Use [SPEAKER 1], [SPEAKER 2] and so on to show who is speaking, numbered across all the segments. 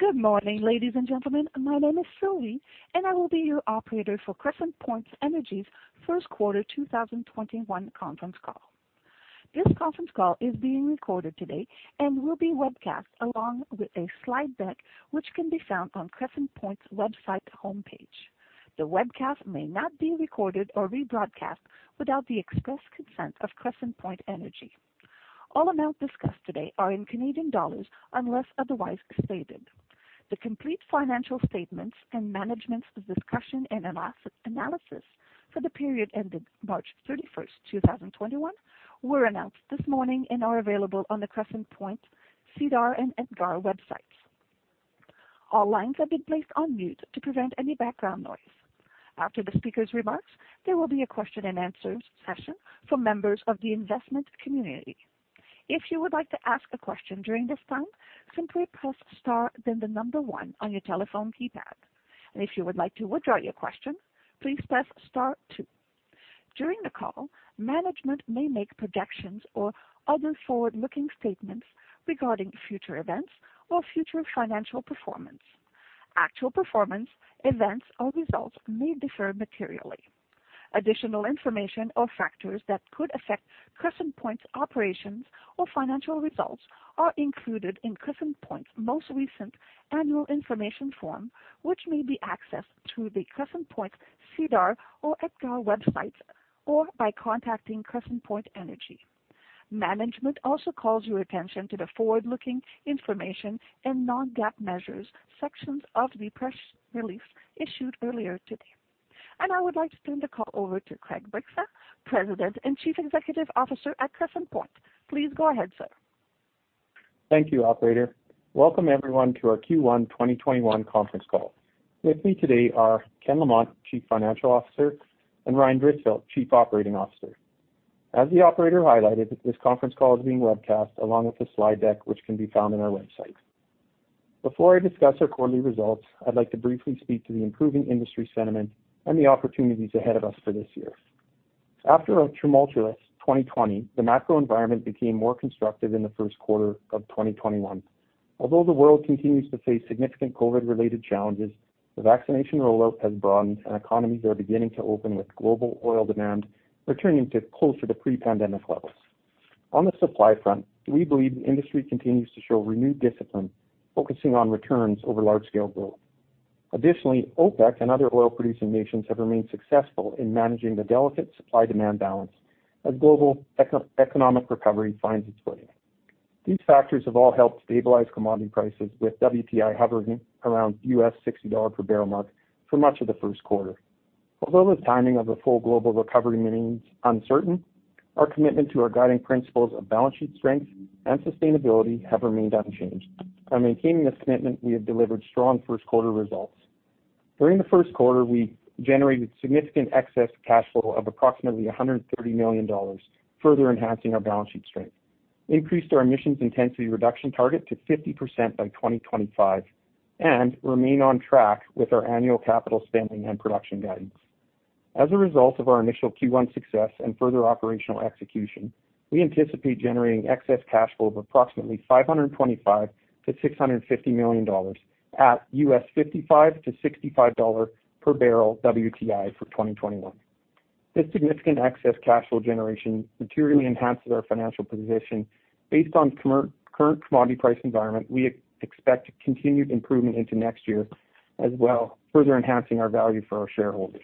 [SPEAKER 1] Good morning, ladies and gentlemen. My name is Sylvie, and I will be your operator for Crescent Point Energy's First Quarter 2021 Conference Call. This conference call is being recorded today and will be webcast along with a slide deck, which can be found on Crescent Point's website homepage. The webcast may not be recorded or rebroadcast without the express consent of Crescent Point Energy. All amounts discussed today are in Canadian dollars unless otherwise stated. The complete financial statements and management's discussion and analysis for the period ending March 31st, 2021 were announced this morning and are available on the Crescent Point SEDAR and EDGAR websites. All lines have been placed on mute to prevent any background noise. After the speaker's remarks, there will be a question-and-answer session for members of the investment community. If you would like to ask a question during this time, simply press star then the number one on your telephone keypad. If you would like to withdraw your question, please press star two. During the call, management may make projections or other forward-looking statements regarding future events or future financial performance. Actual performance, events or results may differ materially. Additional information or factors that could affect Crescent Point's operations or financial results are included in Crescent Point's most recent annual information form, which may be accessed through the Crescent Point SEDAR or EDGAR websites, or by contacting Crescent Point Energy. Management also calls your attention to the forward-looking information and non-GAAP measures sections of the press release issued earlier today. I would like to turn the call over to Craig Bryksa, President and Chief Executive Officer at Crescent Point. Please go ahead, sir.
[SPEAKER 2] Thank you, operator. Welcome everyone to our Q1 2021 conference call. With me today are Ken Lamont, Chief Financial Officer, and Ryan Gritzfeldt, Chief Operating Officer. As the operator highlighted, this conference call is being webcast along with the slide deck, which can be found on our website. Before I discuss our quarterly results, I'd like to briefly speak to the improving industry sentiment and the opportunities ahead of us for this year. After a tumultuous 2020, the macro environment became more constructive in the first quarter of 2021. Although the world continues to face significant COVID-related challenges, the vaccination rollout has broadened and economies are beginning to open with global oil demand returning to closer to pre-pandemic levels. On the supply front, we believe the industry continues to show renewed discipline, focusing on returns over large-scale growth. Additionally, OPEC and other oil-producing nations have remained successful in managing the delicate supply-demand balance as global economic recovery finds its footing. These factors have all helped stabilize commodity prices, with WTI hovering around US $60 per bbl mark for much of the first quarter. Although the timing of a full global recovery remains uncertain, our commitment to our guiding principles of balance sheet strength and sustainability have remained unchanged. By maintaining this commitment, we have delivered strong first quarter results. During the first quarter, we generated significant excess cash flow of approximately 130 million dollars, further enhancing our balance sheet strength, increased our emissions intensity reduction target to 50% by 2025, and remain on track with our annual capital spending and production guidance. As a result of our initial Q1 success and further operational execution, we anticipate generating excess cash flow of approximately 525 million-650 million dollars at U.S. $55-$65 per bbl WTI for 2021. This significant excess cash flow generation materially enhances our financial position. Based on current commodity price environment, we expect continued improvement into next year as well, further enhancing our value for our shareholders.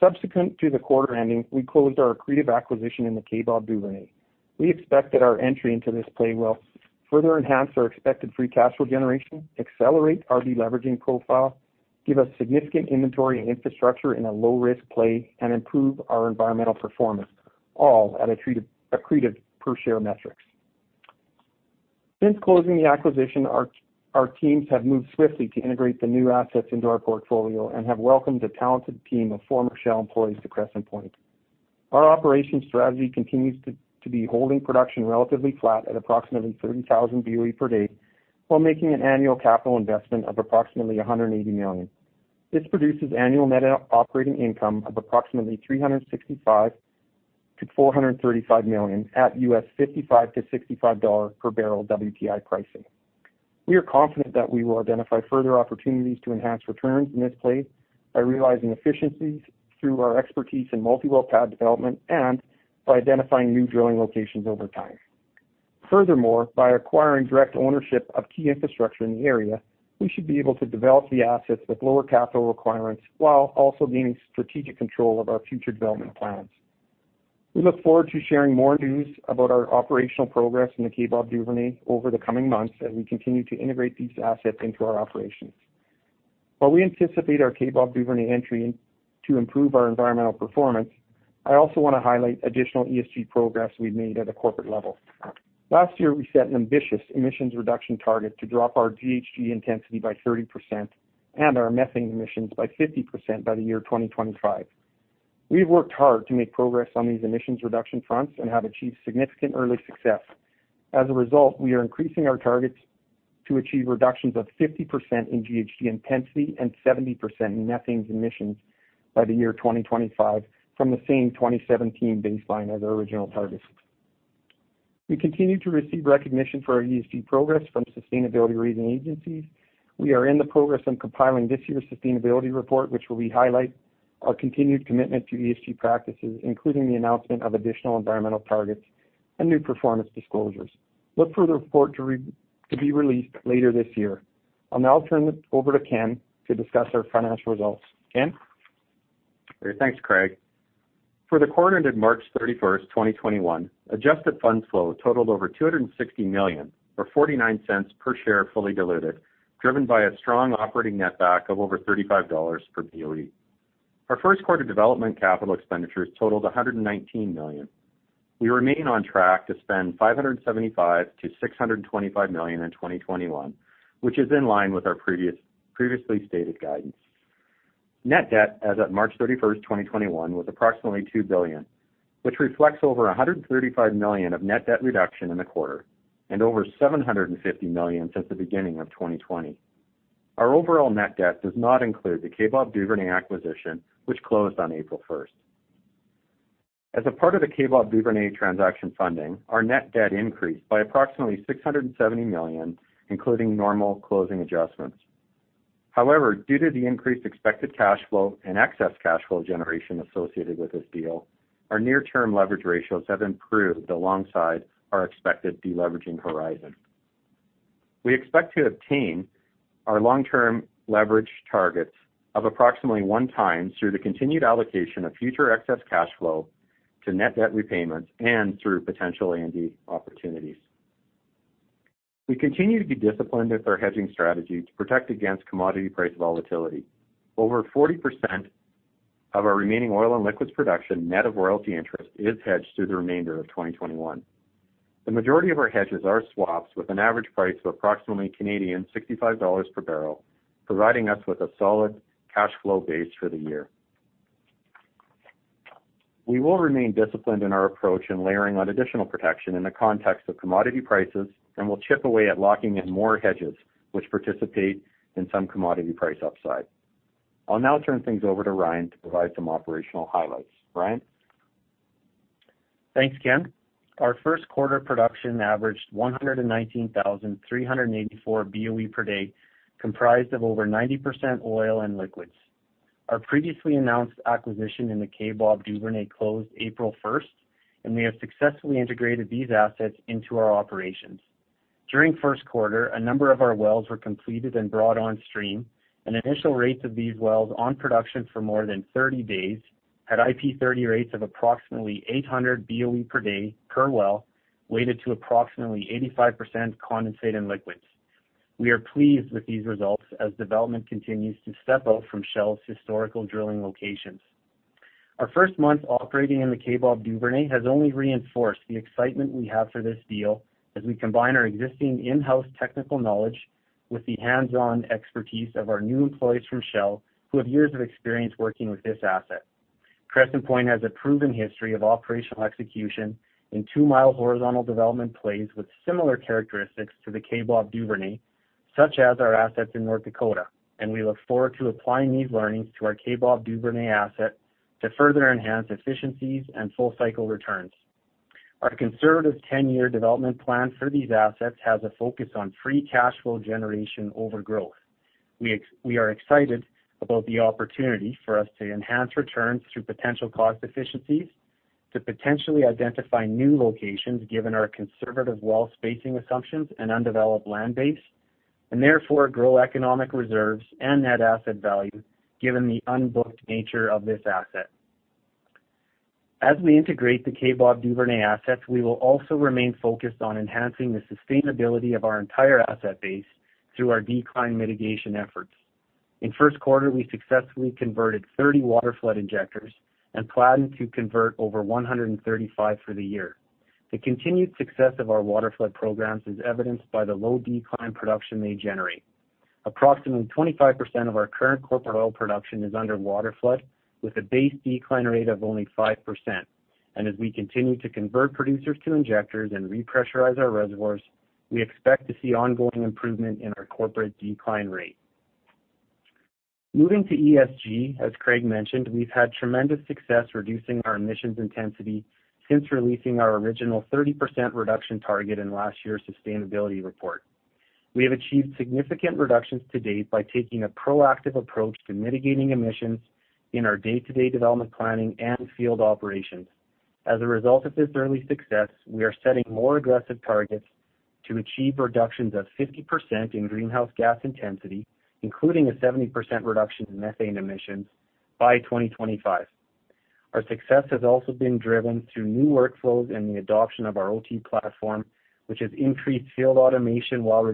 [SPEAKER 2] Subsequent to the quarter ending, we closed our accretive acquisition in the Kaybob Duvernay. We expect that our entry into this play will further enhance our expected free cash flow generation, accelerate our de-leveraging profile, give us significant inventory and infrastructure in a low-risk play, and improve our environmental performance, all at accretive per share metrics. Since closing the acquisition, our teams have moved swiftly to integrate the new assets into our portfolio and have welcomed a talented team of former Shell employees to Crescent Point. Our operations strategy continues to be holding production relatively flat at approximately 30,000 BOE per day while making an annual capital investment of approximately 180 million. This produces annual net operating income of approximately 365 million-435 million at US $55-$65 per bbl WTI pricing. We are confident that we will identify further opportunities to enhance returns in this play by realizing efficiencies through our expertise in multi-well pad development and by identifying new drilling locations over time. Furthermore, by acquiring direct ownership of key infrastructure in the area, we should be able to develop the assets with lower capital requirements while also gaining strategic control of our future development plans. We look forward to sharing more news about our operational progress in the Kaybob Duvernay over the coming months as we continue to integrate these assets into our operations. While we anticipate our Kaybob Duvernay entry to improve our environmental performance, I also want to highlight additional ESG progress we've made at a corporate level. Last year, we set an ambitious emissions reduction target to drop our GHG intensity by 30% and our methane emissions by 50% by the year 2025. We have worked hard to make progress on these emissions reduction fronts and have achieved significant early success. As a result, we are increasing our targets to achieve reductions of 50% in GHG intensity and 70% in methane emissions by the year 2025 from the same 2017 baseline as our original targets. We continue to receive recognition for our ESG progress from sustainability rating agencies. We are in the progress on compiling this year's sustainability report, which will highlight our continued commitment to ESG practices, including the announcement of additional environmental targets and new performance disclosures. Look for the report to be released later this year. I'll now turn it over to Ken to discuss our financial results. Ken?
[SPEAKER 3] Great. Thanks, Craig. For the quarter ended March 31st, 2021, adjusted funds flow totaled over 260 million or 0.49 per share fully diluted, driven by a strong operating netback of over 35 dollars per BOE. Our first quarter development capital expenditures totaled 119 million. We remain on track to spend 575 million-625 million in 2021, which is in line with our previously stated guidance. Net debt as of March 31st, 2021, was approximately 2 billion, which reflects over 135 million of net debt reduction in the quarter and over 750 million since the beginning of 2020. Our overall net debt does not include the Kaybob Duvernay acquisition, which closed on April 1st. As a part of the Kaybob Duvernay transaction funding, our net debt increased by approximately 670 million, including normal closing adjustments. However, due to the increased expected cash flow and excess cash flow generation associated with this deal, our near-term leverage ratios have improved alongside our expected deleveraging horizon. We expect to obtain our long-term leverage targets of approximately 1x through the continued allocation of future excess cash flow to net debt repayments and through potential A&D opportunities. We continue to be disciplined with our hedging strategy to protect against commodity price volatility. Over 40% of our remaining oil and liquids production net of royalty interest is hedged through the remainder of 2021. The majority of our hedges are swaps with an average price of approximately 65 Canadian dollars per bbl, providing us with a solid cash flow base for the year. We will remain disciplined in our approach in layering on additional protection in the context of commodity prices, and we'll chip away at locking in more hedges, which participate in some commodity price upside. I'll now turn things over to Ryan to provide some operational highlights. Ryan?
[SPEAKER 4] Thanks, Ken. Our first quarter production averaged 119,384 BOE per day, comprised of over 90% oil and liquids. Our previously announced acquisition in the Kaybob Duvernay closed April 1st, and we have successfully integrated these assets into our operations. During the first quarter, a number of our wells were completed and brought on stream, and initial rates of these wells on production for more than 30 days had IP 30 rates of approximately 800 BOE per day per well, weighted to approximately 85% condensate and liquids. We are pleased with these results as development continues to step out from Shell's historical drilling locations. Our first month operating in the Kaybob Duvernay has only reinforced the excitement we have for this deal as we combine our existing in-house technical knowledge with the hands-on expertise of our new employees from Shell, who have years of experience working with this asset. Crescent Point has a proven history of operational execution in two-mile horizontal development plays with similar characteristics to the Kaybob Duvernay, such as our assets in North Dakota, and we look forward to applying these learnings to our Kaybob Duvernay asset to further enhance efficiencies and full-cycle returns. Our conservative 10-year development plan for these assets has a focus on free cash flow generation over growth. We are excited about the opportunity for us to enhance returns through potential cost efficiencies to potentially identify new locations, given our conservative well spacing assumptions and undeveloped land base, and therefore grow economic reserves and net asset value, given the unbooked nature of this asset. As we integrate the Kaybob Duvernay assets, we will also remain focused on enhancing the sustainability of our entire asset base through our decline mitigation efforts. In the first quarter, we successfully converted 30 waterflood injectors and plan to convert over 135 for the year. The continued success of our waterflood programs is evidenced by the low decline production they generate. Approximately 25% of our current corporate oil production is under waterflood, with a base decline rate of only 5%. As we continue to convert producers to injectors and repressurize our reservoirs, we expect to see ongoing improvement in our corporate decline rate. Moving to ESG, as Craig mentioned, we've had tremendous success reducing our emissions intensity since releasing our original 30% reduction target in last year's sustainability report. We have achieved significant reductions to date by taking a proactive approach to mitigating emissions in our day-to-day development planning and field operations. As a result of this early success, we are setting more aggressive targets to achieve reductions of 50% in greenhouse gas intensity, including a 70% reduction in methane emissions by 2025. Our success has also been driven through new workflows and the adoption of our OT platform, which has increased field automation while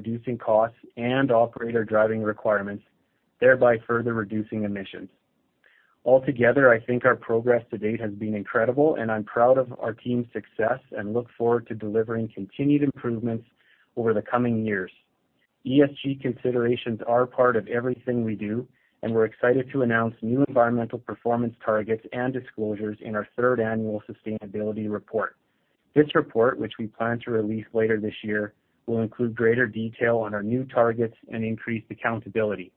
[SPEAKER 4] reducing costs and operator driving requirements, thereby further reducing emissions. Altogether, I think our progress to date has been incredible, and I'm proud of our team's success and look forward to delivering continued improvements over the coming years. ESG considerations are part of everything we do, and we're excited to announce new environmental performance targets and disclosures in our third annual sustainability report. This report, which we plan to release later this year, will include greater detail on our new targets and increased accountability.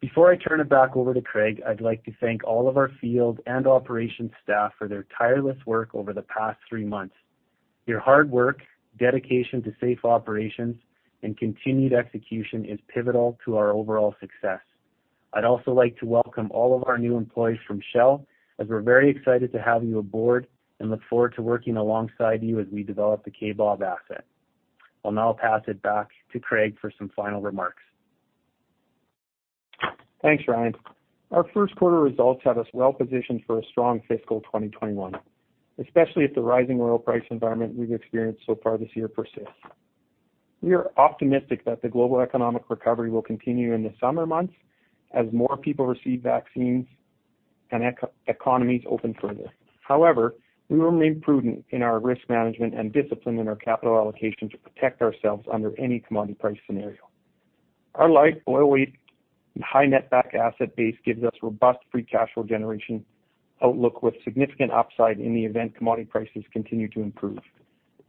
[SPEAKER 4] Before I turn it back over to Craig, I'd like to thank all of our field and operations staff for their tireless work over the past three months. Your hard work, dedication to safe operations, and continued execution is pivotal to our overall success. I'd also like to welcome all of our new employees from Shell, as we're very excited to have you aboard and look forward to working alongside you as we develop the Kaybob asset. I'll now pass it back to Craig for some final remarks.
[SPEAKER 2] Thanks, Ryan. Our first quarter results have us well-positioned for a strong fiscal 2021, especially if the rising oil price environment we've experienced so far this year persists. We are optimistic that the global economic recovery will continue in the summer months as more people receive vaccines and economies open further. We will remain prudent in our risk management and discipline in our capital allocation to protect ourselves under any commodity price scenario. Our light oil weight and high net back asset base gives us robust free cash flow generation outlook with significant upside in the event commodity prices continue to improve.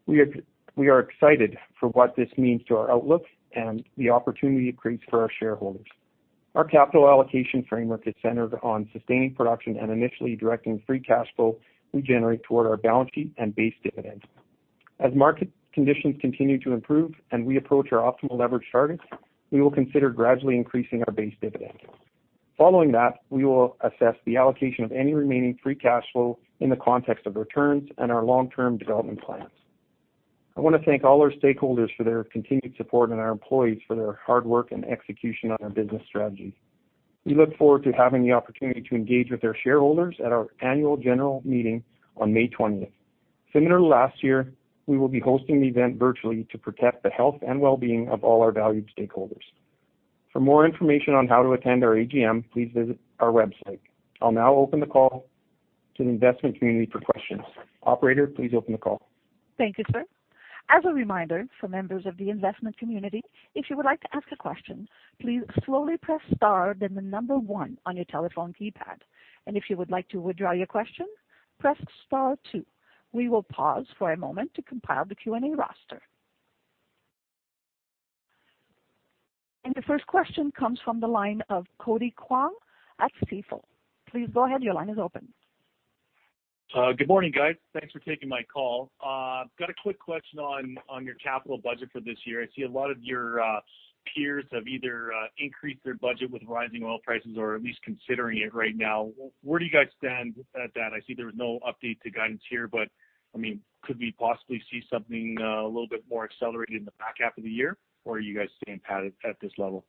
[SPEAKER 2] We are excited for what this means to our outlook and the opportunity it creates for our shareholders. Our capital allocation framework is centered on sustaining production and initially directing free cash flow we generate toward our balance sheet and base dividends. As market conditions continue to improve and we approach our optimal leverage targets, we will consider gradually increasing our base dividend. Following that, we will assess the allocation of any remaining free cash flow in the context of returns and our long-term development plans. I want to thank all our stakeholders for their continued support and our employees for their hard work and execution on our business strategy. We look forward to having the opportunity to engage with our shareholders at our annual general meeting on May 20th. Similar to last year, we will be hosting the event virtually to protect the health and wellbeing of all our valued stakeholders. For more information on how to attend our AGM, please visit our website. I will now open the call to the investment community for questions. Operator, please open the call.
[SPEAKER 1] Thank you, sir. As a reminder for members of the investment community, if you would like to ask a question, please slowly press star then the number one on your telephone keypad. If you would like to withdraw your question, press star two. We will pause for a moment to compile the Q&A roster. The first question comes from the line of Cody Kwong at Stifel. Please go ahead, your line is open.
[SPEAKER 5] Good morning, guys. Thanks for taking my call. Got a quick question on your capital budget for this year. I see a lot of your peers have either increased their budget with rising oil prices or at least considering it right now. Where do you guys stand at that? I see there was no update to guidance here, but could we possibly see something a little bit more accelerated in the back half of the year? Are you guys staying padded at this level?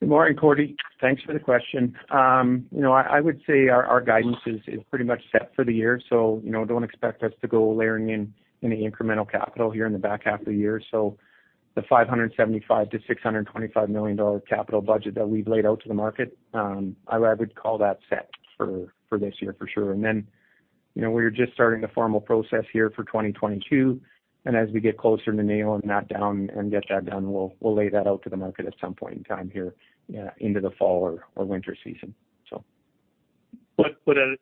[SPEAKER 2] Good morning, Cody. Thanks for the question. I would say our guidance is pretty much set for the year, don't expect us to go layering in any incremental capital here in the back half of the year. The 575 million-625 million dollar capital budget that we've laid out to the market, I would call that set for this year for sure. We are just starting the formal process here for 2022, and as we get closer to nail and knock down and get that done, we'll lay that out to the market at some point in time here into the fall or winter season.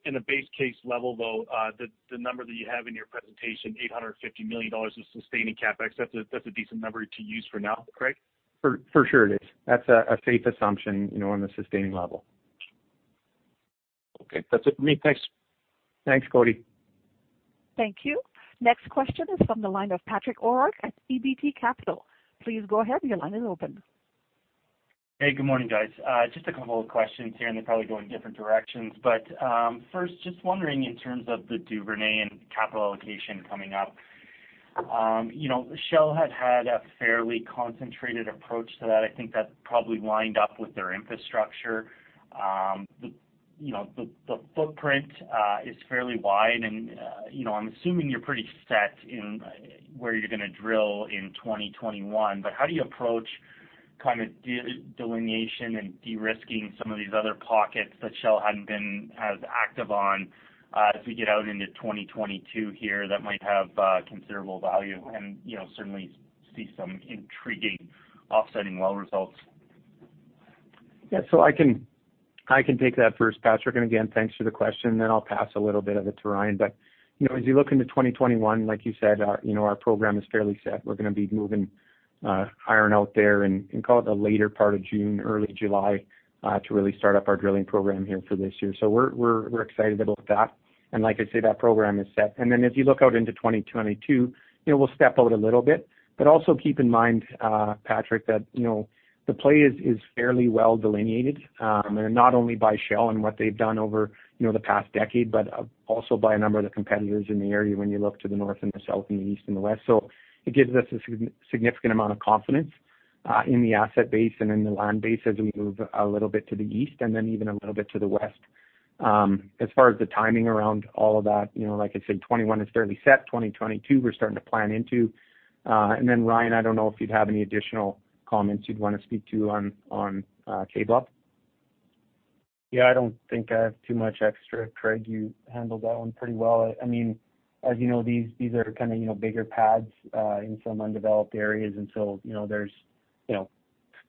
[SPEAKER 5] In a base case level, though, the number that you have in your presentation, 850 million dollars in sustaining CapEx, that's a decent number to use for now, Craig?
[SPEAKER 2] For sure it is. That's a safe assumption on the sustaining level.
[SPEAKER 5] Okay, that's it for me. Thanks.
[SPEAKER 2] Thanks, Cody.
[SPEAKER 1] Thank you. Next question is from the line of Patrick O'Rourke at ATB Capital Markets. Please go ahead, your line is open.
[SPEAKER 6] Hey, good morning, guys. Just a couple of questions here, and they probably go in different directions. First, just wondering in terms of the Duvernay and capital allocation coming up. Shell had had a fairly concentrated approach to that. I think that probably lined up with their infrastructure. The footprint is fairly wide and I'm assuming you're pretty set in where you're gonna drill in 2021, but how do you approach kind of delineation and de-risking some of these other pockets that Shell hadn't been as active on as we get out into 2022 here that might have considerable value and certainly see some intriguing offsetting well results?
[SPEAKER 2] Yeah. I can take that first, Patrick, and again, thanks for the question, then I'll pass a little bit of it to Ryan. As you look into 2021, like you said, our program is fairly set. We're gonna be moving iron out there in, call it the later part of June, early July, to really start up our drilling program here for this year. We're excited about that. Like I say, that program is set. As you look out into 2022, we'll step out a little bit, but also keep in mind, Patrick, that the play is fairly well delineated, and not only by Shell and what they've done over the past decade, but also by a number of the competitors in the area when you look to the north and the south and the east and the west. It gives us a significant amount of confidence in the asset base and in the land base as we move a little bit to the east and then even a little bit to the west. As far as the timing around all of that, like I said, 2021 is fairly set. 2022, we're starting to plan into. Ryan, I don't know if you'd have any additional comments you'd want to speak to on Kaybob.
[SPEAKER 4] Yeah, I don't think I have too much extra. Craig, you handled that one pretty well. As you know, these are kind of bigger pads in some undeveloped areas, and so there's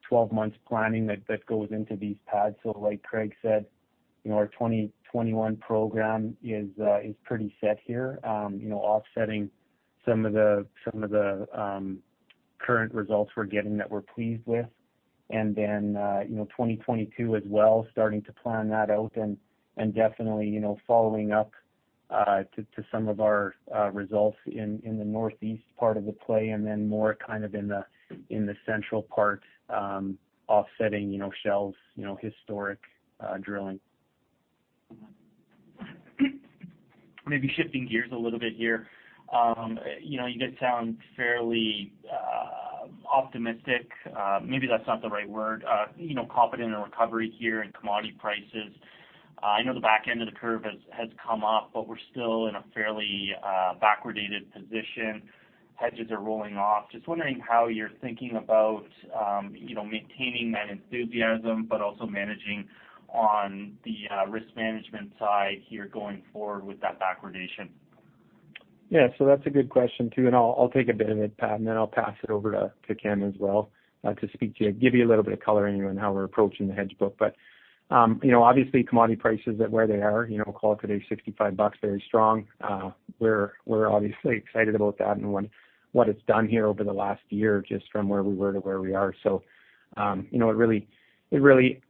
[SPEAKER 4] 12 months planning that goes into these pads. Like Craig said, our 2021 program is pretty set here. Some of the current results we're getting that we're pleased with. 2022 as well, starting to plan that out and definitely following up to some of our results in the northeast part of the play and then more kind of in the central part offsetting Shell's historic drilling.
[SPEAKER 6] Maybe shifting gears a little bit here. You did sound fairly optimistic. Maybe that's not the right word. Confident in a recovery here in commodity prices. I know the back end of the curve has come up, we're still in a fairly backwardated position. Hedges are rolling off. Just wondering how you're thinking about maintaining that enthusiasm, but also managing on the risk management side here going forward with that backwardation.
[SPEAKER 2] Yeah. That's a good question, too, and I'll take a bit of it, Pat, and then I'll pass it over to Ken as well to give you a little bit of coloring on how we're approaching the hedge book. Obviously commodity prices at where they are, call it today 65 bucks, very strong. We're obviously excited about that and what it's done here over the last year, just from where we were to where we are. It really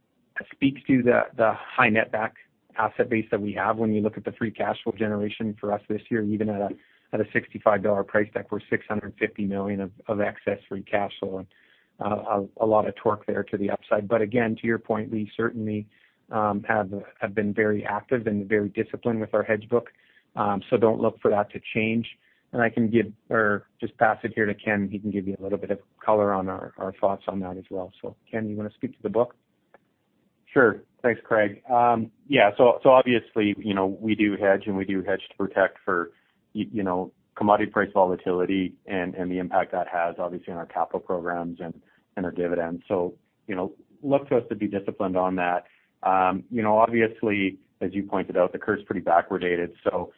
[SPEAKER 2] speaks to the high net back asset base that we have. When you look at the free cash flow generation for us this year, even at a 65 dollar price deck, we're 650 million of excess free cash flow and a lot of torque there to the upside. Again, to your point, we certainly have been very active and very disciplined with our hedge book. Don't look for that to change. I can give or just pass it here to Ken, he can give you a little bit of color on our thoughts on that as well. Ken, you want to speak to the book?
[SPEAKER 3] Sure. Thanks, Craig. Yeah, obviously, we do hedge and we hedge to protect for commodity price volatility and the impact that has obviously on our capital programs and our dividends. Look to us to be disciplined on that. Obviously, as you pointed out, the curve's pretty backwardated, so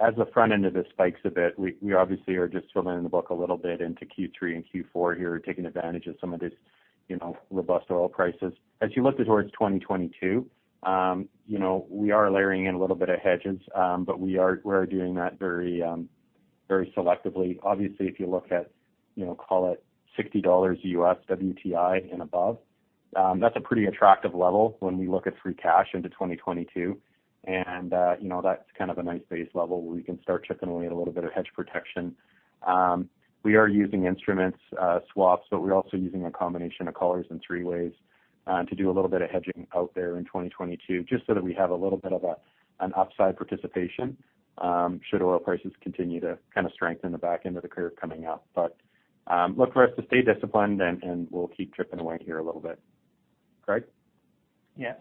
[SPEAKER 3] as the front end of this spikes a bit, we obviously are just filling in the book a little bit into Q3 and Q4 here, taking advantage of some of this robust oil prices. As you look towards 2022, we are layering in a little bit of hedges, but we are doing that very selectively. Obviously, if you look at, call it $60 U.S. WTI and above, that's a pretty attractive level when we look at free cash into 2022. That's kind of a nice base level where we can start chipping away at a little bit of hedge protection. We are using instrument swaps, but we're also using a combination of collars in three ways to do a little bit of hedging out there in 2022, just so that we have a little bit of an upside participation should oil prices continue to kind of strengthen the back end of the curve coming up. Look for us to stay disciplined and we'll keep chipping away here a little bit. Craig?
[SPEAKER 6] Yeah.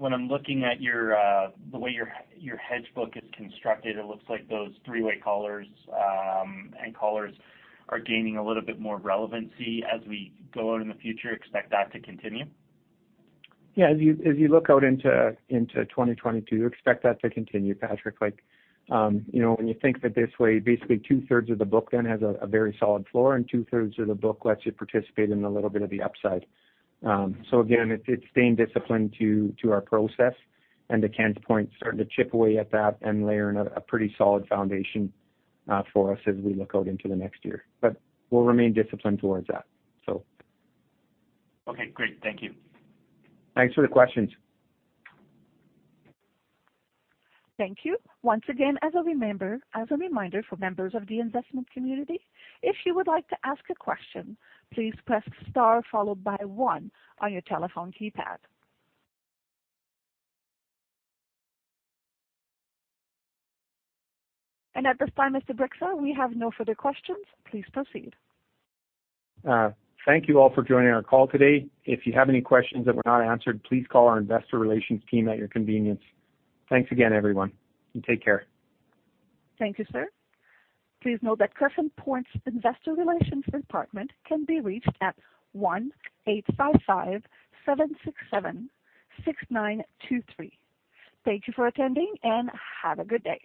[SPEAKER 6] When I'm looking at the way your hedge book is constructed, it looks like those three-way collars and collars are gaining a little bit more relevancy as we go out in the future. Expect that to continue?
[SPEAKER 2] Yeah. As you look out into 2022, expect that to continue, Patrick. When you think of it this way, basically two-thirds of the book then has a very solid floor, and two-thirds of the book lets you participate in a little bit of the upside. Again, it's staying disciplined to our process and to Ken's point, starting to chip away at that and layering a pretty solid foundation for us as we look out into the next year. We'll remain disciplined towards that.
[SPEAKER 6] Okay, great. Thank you.
[SPEAKER 2] Thanks for the questions.
[SPEAKER 1] Thank you. Once again, as a reminder for members of the investment community, if you would like to ask a question, please press star followed by one on your telephone keypad. At this time, Mr. Bryksa, we have no further questions. Please proceed.
[SPEAKER 2] Thank you all for joining our call today. If you have any questions that were not answered, please call our investor relations team at your convenience. Thanks again, everyone, and take care.
[SPEAKER 1] Thank you, sir. Please note that Crescent Point's Investor Relations department can be reached at one eight five five seven six seven six nine two three. Thank you for attending and have a good day.